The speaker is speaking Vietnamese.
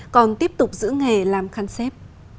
còn tiếp tục giữ nghề làm khăn xếp